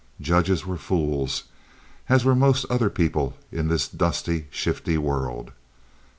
Judges were fools, as were most other people in this dusty, shifty world.